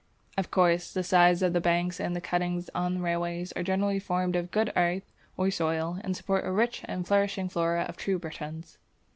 Of course, the sides of the banks and of cuttings on railways are generally formed of good earth or soil, and support a rich and flourishing flora of true Britons.